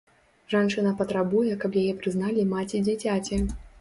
Жанчына патрабуе, каб яе прызналі маці дзіцяці.